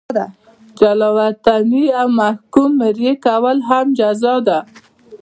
جلا وطني او د محکوم مریي کول هم جزا ده.